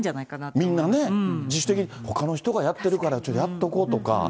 みんなね、自主的に、ほかの人がやってるから、じゃあやっとこうとか。